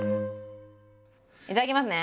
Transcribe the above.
いただきますね。